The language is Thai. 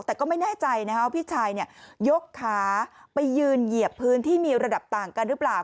แต่ก็ไม่แน่ใจว่าพี่ชายยกขาไปยืนเหยียบพื้นที่มีระดับต่างกันหรือเปล่า